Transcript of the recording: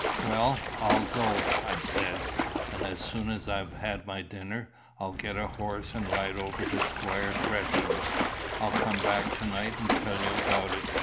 "Well, I'll go," I said; "and as soon as I've had my dinner I'll get a horse and ride over to Squire Tresham's. I'll come back to night and tell you about it.